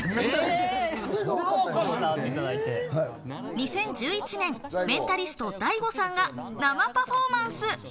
２０１１年、メンタリスト・ＤａｉＧｏさんが生パフォーマンス。